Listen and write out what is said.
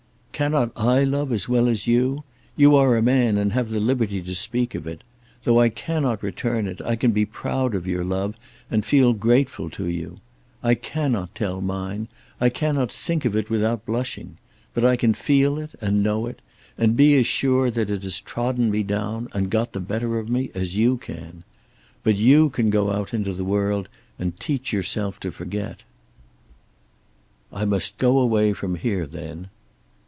"Cannot I love as well as you? You are a man, and have the liberty to speak of it. Though I cannot return it, I can be proud of your love and feel grateful to you. I cannot tell mine. I cannot think of it without blushing. But I can feel it, and know it, and be as sure that it has trodden me down and got the better of me as you can. But you can go out into the world and teach yourself to forget." "I must go away from here then."